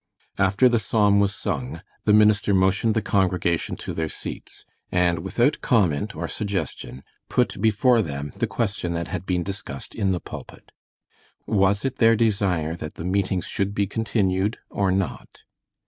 After the psalm was sung, the minister motioned the congregation to their seats, and without comment or suggestion, put before them the question that had been discussed in the pulpit. Was it their desire that the meetings should be continued or not?